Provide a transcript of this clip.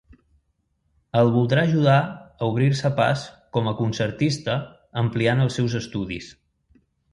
El voldrà ajudar a obrir-se pas com a concertista ampliant els seus estudis.